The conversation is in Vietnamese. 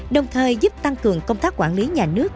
đồng thời giúp tăng cường công tác quản lý nhà nước